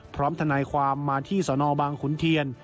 พร้อมธนายความมาที่สนบังขุนเทียน